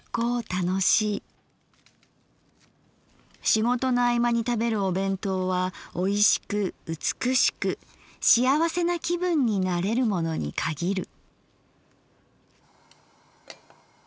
仕事の合間に食べるお弁当は美味しく美しくしあわせな気分になれるものに限る」。